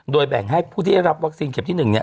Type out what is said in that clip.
โดยแบ่งให้ผู้ที่ได้รับวัคซีนเข็มที่๑เนี่ย